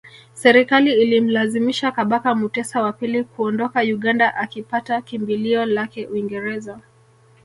Serikali ikamlazimisha Kabaka Mutesa wa pili kuondoka Uganda akipata kimbilio lake Uingereza